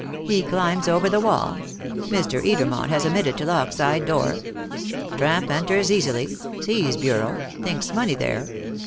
He climbs over the wall; Mr. Edermont has omitted to lock side door. Tramp enters easily sees bureau thinks money there.